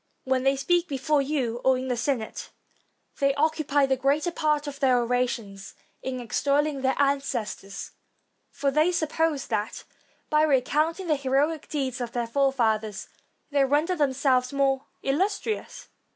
When they speak before you or in the Senate, they occupy the greater part of their orations in extolling their ancestors; for they suppose that by recounting the heroic deeds of their forefathers, they render themselves more illustrious.